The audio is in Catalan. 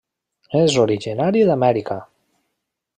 És originari d'Amèrica.